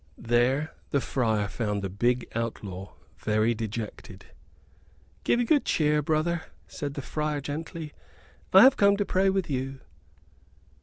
There the friar found the big outlaw very dejected. "Give you good cheer, brother," said the friar, gently; "I have come to pray with you."